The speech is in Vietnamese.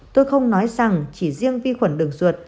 tôi không nói rằng chỉ riêng vi khuẩn đường ruột